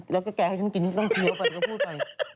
แล้วก็แกให้ฉันกินต้องเคี้ยวไปก็พูดไป